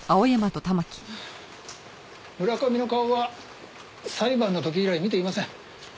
村上の顔は裁判の時以来見ていません。